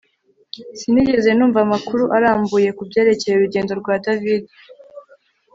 Sinigeze numva amakuru arambuye kubyerekeye urugendo rwa David